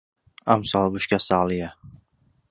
ئەم ساڵ وشکە ساڵییە.